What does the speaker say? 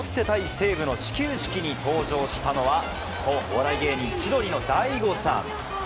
西武の始球式に登場したのがそう、お笑い芸人千鳥の大悟さん。